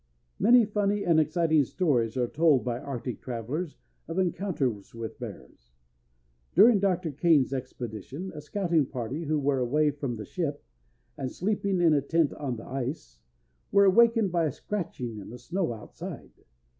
Many funny and exciting stories are told by arctic travellers of encounters with bears. During Dr. Kane's expedition a scouting party who were away from the ship, and sleeping in a tent on the ice, were awakened by a scratching in the snow outside.